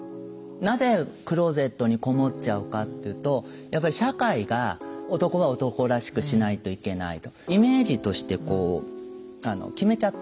なぜクローゼットにこもっちゃうかっていうとやっぱり社会が男は男らしくしないといけないとイメージとしてこう決めちゃってる。